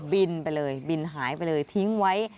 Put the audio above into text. บินไปเลยบินหายไปเลยทิ้งไว้